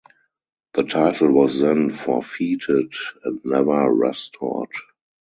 The title was then forfeited and never restored.